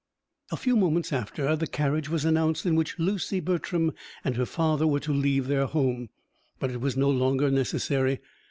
A few moments after, the carriage was announced, in which Lucy Bertram and her father were to leave their home; but it was no longer necessary.